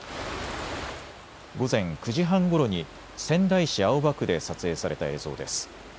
午前９時半ごろに仙台市青葉区で撮影された映像です。